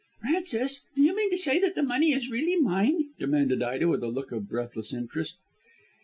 "Frances, do you mean to say that the money is really mine?" demanded Ida with a look of breathless interest.